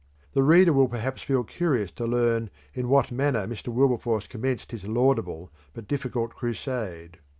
The reader will perhaps feel curious to learn in what manner Mr. Wilberforce commenced his laudable but difficult crusade.